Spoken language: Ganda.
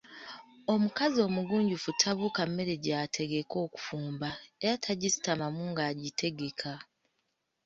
Omukazi omugunjufu tabuuka mmere gy’ategeka okufumba era tagisitamamu ng’agitegeka.